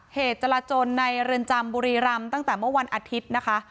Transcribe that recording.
จราจนในเรือนจำบุรีรำตั้งแต่เมื่อวันอาทิตย์นะคะ